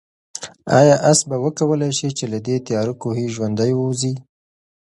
آیا آس به وکولای شي چې له دې تیاره کوهي ژوندی ووځي؟